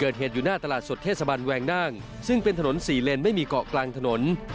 โดดเทศบันแหวงนางซึ่งเป็นถนนสี่เลนไม่มีเกาะกลางถนน